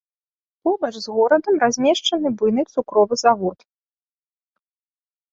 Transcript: Побач з горадам размешчаны буйны цукровы завод.